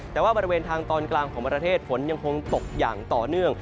แต่ว่าบริเวณทางตอนกลางของประเทศฝนยังคงตกอย่างต่อเนื่อง